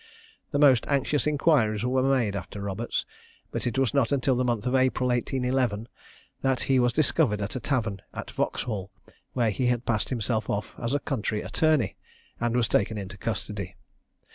The most anxious inquiries were made after Roberts, but it was not until the month of April 1811 that he was discovered at a tavern at Vauxhall, where he had passed himself off as a country attorney, and was taken into custody.